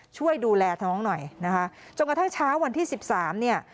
ช่วยดูแลน้องหน่อยนะคะจนกระทั่งเช้าวันที่สิบสามเนี่ย